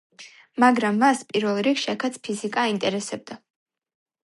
მაგრამ მას პირველ რიგში აქაც ფიზიკა აინტერესებდა.